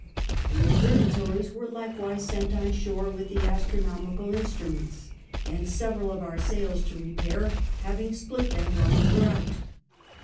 The observatories were likewise sent on shore with the astronomiciil instruments ; and several of our sails to repair, liaving split them while we were out.